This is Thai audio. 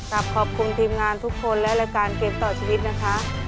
ขอบคุณทีมงานทุกคนและรายการเกมต่อชีวิตนะคะ